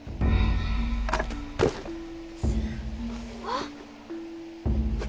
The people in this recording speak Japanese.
あっ！